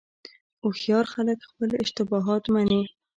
هوښیار خلک خپل اشتباهات مني.